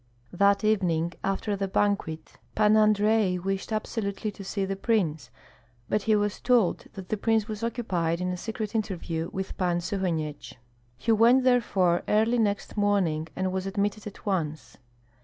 That evening after the banquet, Pan Andrei wished absolutely to see the prince, but he was told that the prince was occupied in a secret interview with Pan Suhanyets. He went therefore early next morning, and was admitted at once.